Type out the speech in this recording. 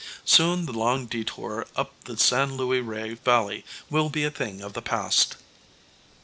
Soon the long detour up the San Luis Rey Valley will be a thing of the past.